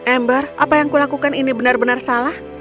amber apa yang kulakukan ini benar benar salah